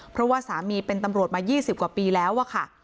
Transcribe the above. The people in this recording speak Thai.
เพราะว่าสามีเป็นตำรวจมา๒๐กว่าปีแล้วอะค่ะ